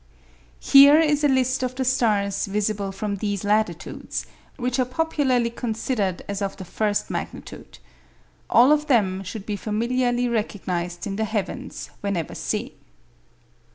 Here is a list of the stars visible from these latitudes, which are popularly considered as of the first magnitude. All of them should be familiarly recognized in the heavens, whenever seen.